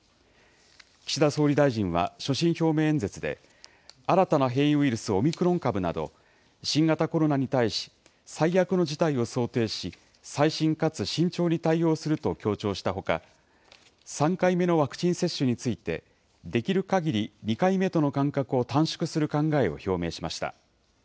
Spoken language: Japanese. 岸田総理大臣は所信表明演説で、新たな変異ウイルス、オミクロン株など、新型コロナに対し、最悪の事態を想定し、細心かつ慎重に対応すると強調したほか、３回目のワクチン接種について、できるかぎり２回目との間隔を短縮する考えを表明しました。